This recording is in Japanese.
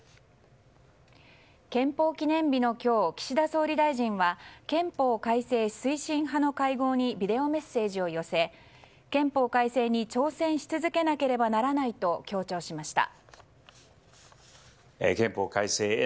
憲法記念日の今日岸田総理大臣は憲法改正推進派の会合にビデオメッセージを寄せ憲法改正に挑戦し続けなければならないと強調しました。